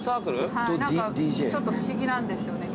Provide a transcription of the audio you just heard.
ちょっと不思議なんですよね。